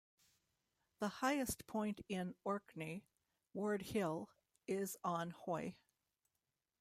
The highest point in Orkney, Ward Hill, is on Hoy.